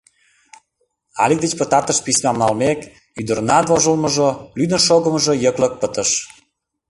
Алик деч пытартыш письмам налмек, ӱдырынат вожылмыжо, лӱдын шогымыжо йыклык пытыш.